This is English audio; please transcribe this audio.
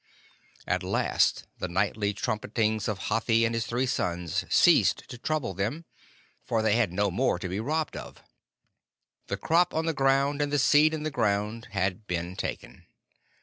At last the nightly trumpetings of Hathi and his three sons ceased to trouble them; for they had no more to be robbed of. The crop on the ground and the seed in the ground had been taken.